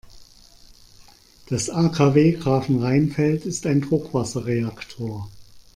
Das AKW Grafenrheinfeld ist ein Druckwasserreaktor.